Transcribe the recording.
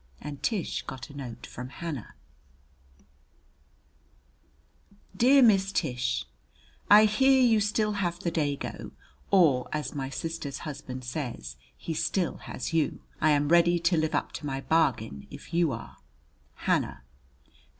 And Tish got a note from Hannah: Dear Miss Tish: I here you still have the dago or, as my sister's husband says, he still has you. I am redy to live up to my bargen if you are. HANNAH.